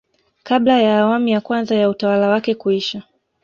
kabla ya awamu ya kwanza ya utawala wake kuisha